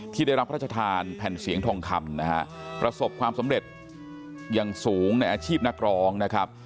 ที่ได้รับพระราชทานแผ่นเสียงทองคำนะฮะประสบความสำเร็จอย่างสูงในอาชีพนักร้องนะครับ